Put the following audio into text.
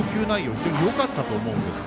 非常に、よかったと思うんですが。